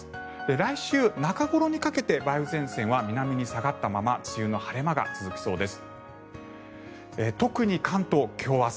来週中頃にかけて梅雨前線は南に下がったまま梅雨の晴れ間が続きそうです。